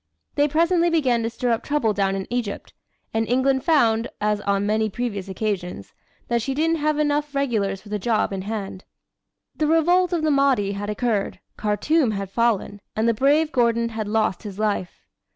They presently began to stir up trouble down in Egypt, and England found, as on many previous occasions, that she didn't have half enough regulars for the job in hand. The revolt of the Mahdi had occurred, Khartoum had fallen, and the brave Gordon had lost his life.